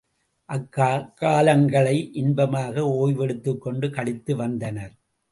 அக்காலங்களை இன்பமாக ஓய்வு எடுத்துக்கொண்டு கழித்து வந்தனர்.